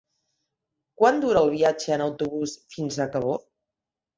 Quant dura el viatge en autobús fins a Cabó?